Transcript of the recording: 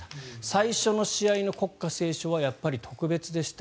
最初の試合の国歌斉唱はやっぱり特別でした